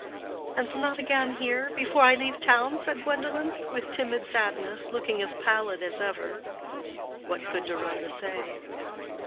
"And not again here, before I leave town?" said Gwendolen, with timid sadness, looking as pallid as ever. What could Deronda say?